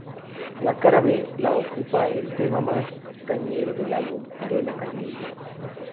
La cara b la ocupa el tema más cañero del álbum, Arena Caliente.